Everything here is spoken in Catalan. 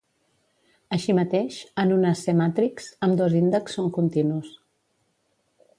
Així mateix, en una "cmatrix" ambdós índexs són continus.